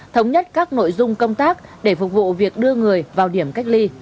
thống nhất các nội dung công tác để phục vụ việc đưa người vào điểm cách ly